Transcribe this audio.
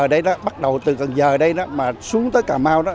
ở đây bắt đầu từ cần giờ đây mà xuống tới cà mau